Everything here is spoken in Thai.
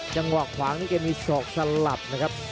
อีกครั้งนี้เกมมีศอกสลับนะครับ